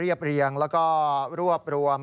และอาจจะมีบางรายเข้าขายช่อกงประชาชนเพิ่มมาด้วย